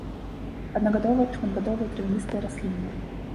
Аднагадовыя і шматгадовыя травяністыя расліны.